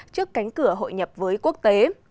trước cánh cửa hội nhập với quốc tế